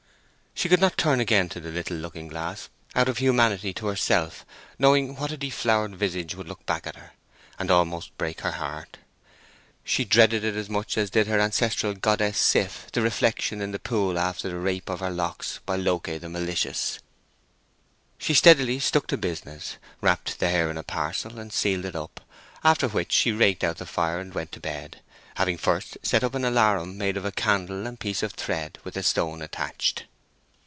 She would not turn again to the little looking glass, out of humanity to herself, knowing what a deflowered visage would look back at her, and almost break her heart; she dreaded it as much as did her own ancestral goddess Sif the reflection in the pool after the rape of her locks by Loke the malicious. She steadily stuck to business, wrapped the hair in a parcel, and sealed it up, after which she raked out the fire and went to bed, having first set up an alarum made of a candle and piece of thread, with a stone attached.